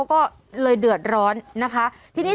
วันนี้จะเป็นวันนี้